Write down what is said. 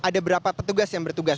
ada berapa petugas yang bertugas